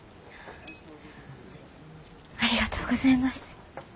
ありがとうございます。